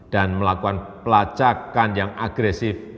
dan melakukan pelacakan yang agresif